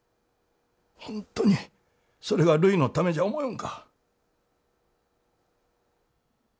本当にそれがるいのためじゃ思よんか。